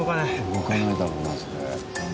動かないだろうなそれ。